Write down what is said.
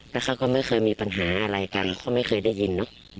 แล้วเขาก็ไม่เคยมีปัญหาอะไรกันเขาไม่เคยได้ยินเนอะ